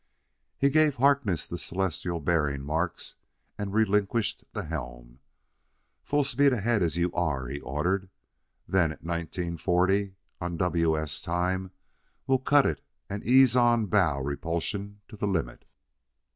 He gave Harkness the celestial bearing marks and relinquished the helm. "Full speed ahead as you are," he ordered; "then at nineteen forty on W.S. time, we'll cut it and ease on bow repulsion to the limit."